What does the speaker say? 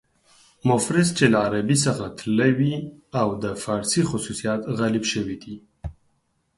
مفرس چې له عربي څخه تللي وي او د فارسي خصوصیات غالب شوي دي.